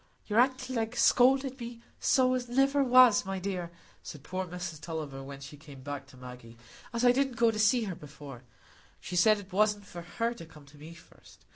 "Your aunt Glegg scolded me so as niver was, my dear," said poor Mrs Tulliver, when she came back to Maggie, "as I didn't go to her before; she said it wasn't for her to come to me first.